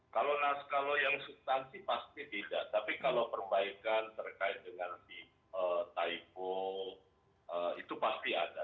kalau yang substansi pasti tidak tapi kalau perbaikan terkait dengan si taipo itu pasti ada